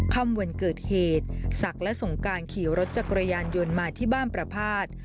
ค่ำวันเกิดเหตุศักดิ์และสงการขี่รถจักรยานยนต์มาที่บ้านประพาท